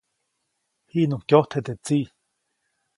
Jiʼnuŋ kyojtje teʼ tsiʼ.